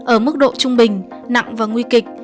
ở mức độ trung bình nặng và nguy kịch